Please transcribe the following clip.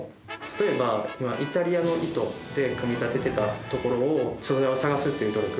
例えばイタリアの糸で組み立ててたところを素材を探すっていう努力。